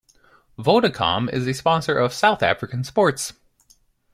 Vodacom is a sponsor of South African sports.